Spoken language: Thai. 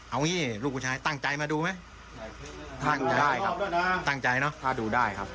เอานี่ลูกผู้ชายตั้งใจมาดูไหมตั้งใจเนอะถ้าดูได้ครับ